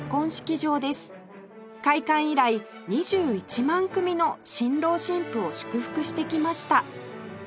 開館以来２１万組の新郎新婦を祝福してきました